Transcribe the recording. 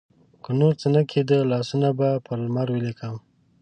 که نورڅه نه کیده، لاسونه به پر لمر ولیکم